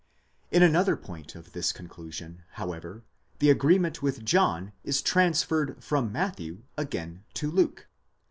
In another point of this conclusion, however, the agreement with John is transferred from Matthew again to Luke.